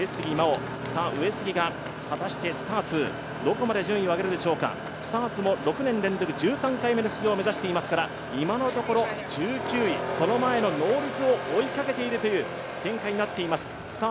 上杉がどこまでスターツの順位を上げられるでしょうかスターツも６年連続１３回目の出場を目指していますから、今のところ１９位、その前のノーリツを追いかけているという展開になっています。